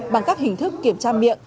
bằng các hình thức kiểm tra miệng